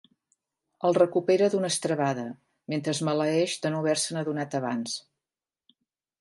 El recupera d'una estrebada mentre es maleeix de no haverse'n adonat abans.